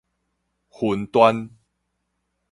雲端